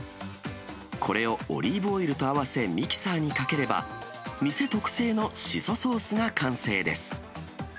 これをオリーブオイルと合わせ、ミキサーにかければ、店特製のしそソースが完成です。